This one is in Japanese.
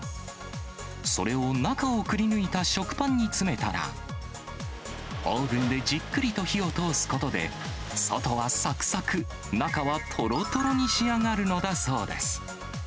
それを中をくりぬいた食パンに詰めたら、オーブンでじっくりと火を通すことで、外はさくさく、中はとろとろに仕上がるのだそうです。